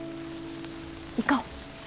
行こう。